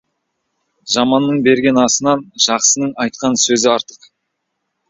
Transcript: Жаманның берген асынан жақсының айтқан сөзі артық.